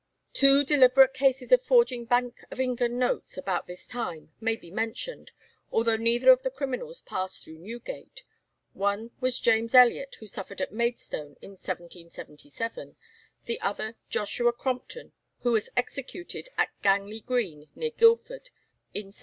Two deliberate cases of forging Bank of England notes about this time may be mentioned, although neither of the criminals passed through Newgate. One was James Elliot, who suffered at Maidstone in 1777, the other Joshua Crompton, who was executed at Gangley Green, near Guildford, in 1778.